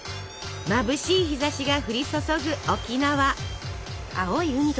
まぶしい日ざしが降り注ぐ沖縄。